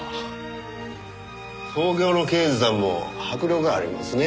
東京の刑事さんも迫力ありますね。